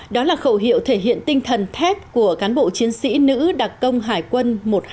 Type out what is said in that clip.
đó là khẩu hiệu thể hiện tinh thần thép của cán bộ chiến sĩ nữ đặc công hải quân một trăm hai mươi